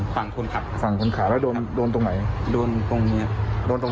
ฝั่งคนขับฝั่งคนขายแล้วโดนโดนตรงไหนโดนตรงเนี้ยโดนตรง